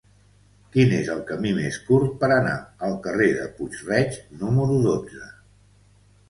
Quin és el camí més curt per anar al carrer de Puig-reig número dotze?